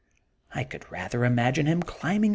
I could rather imagine him climbing